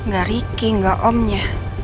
gak ricky gak omnya